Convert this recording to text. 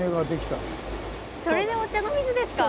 それで「御茶ノ水」ですか！